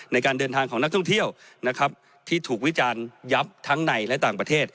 ในการเดินทางของนักท่องเที่ยวนะครับที่ถูกวิจารณ์ยับทั้งในและต่างประเทศ